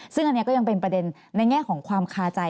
ซึ่งอันนี้ก็ยังเป็นประเด็นในแง่ของความคาใจ